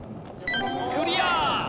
クリア！